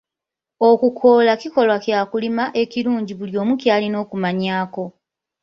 Okukoola kikolwa ky'okulima ekirungi buli omu kyalina okumanyaako.